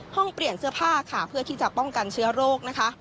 เปลี่ยนเสื้อผ้าค่ะเพื่อที่จะป้องกันเชื้อโรคนะคะ